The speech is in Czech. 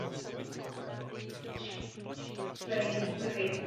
Probíhaly opravy a rozšiřování paláce.